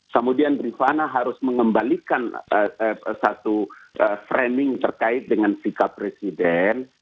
kemudian rifana harus mengembalikan satu framing terkait dengan sikap presiden